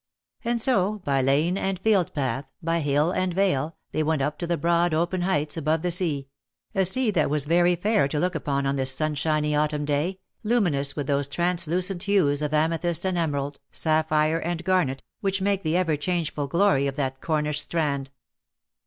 And so, by lane and field path, by hill and vale, they went up to the broad, open heights above the sea — a sea that was very fair to look upon on this sunshiny autumn day, luminous with those trans lucent hues of amethyst and emerald, sapphire and garnet, which make the ever changeful glory of that Cornish strand.